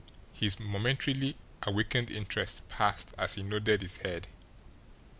His momentarily awakened interest passed as he nodded his head.